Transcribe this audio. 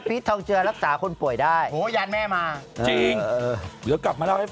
ลองเดาเข้ามาแล้วกันนะครับ